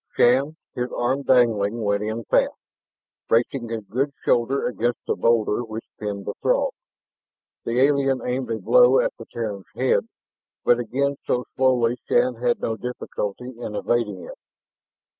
Shann, his arm dangling, went in fast, bracing his good shoulder against the boulder which pinned the Throg. The alien aimed a blow at the Terran's head, but again so slowly Shann had no difficulty in evading it.